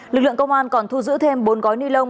lực lượng công an còn thu giữ thêm bốn gói ni lông